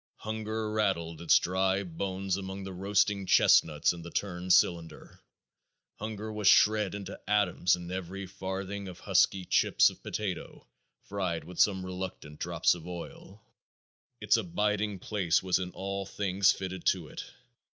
Hunger rattled its dry bones among the roasting chestnuts in the turned cylinder; hunger was shred into atoms in every farthing of husky chips of potato, fried with some reluctant drops of oil. "Its abiding place was in all things fitted to it.